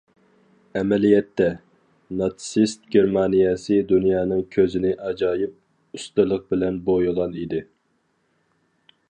ئەمەلىيەتتە ، ناتسىست گېرمانىيەسى دۇنيانىڭ كۆزىنى ئاجايىپ ئۇستىلىق بىلەن بويىغان ئىدى.